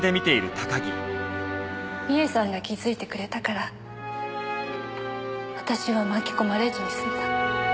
美枝さんが気づいてくれたから私は巻き込まれずに済んだ。